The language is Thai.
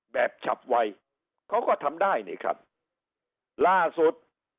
ฉับไวเขาก็ทำได้นี่ครับล่าสุด